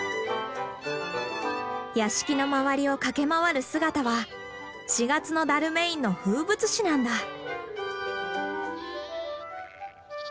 屋敷の周りを駆け回る姿は４月のダルメインの風物詩なんだ。